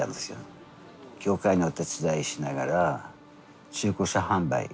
教会のお手伝いしながら中古車販売。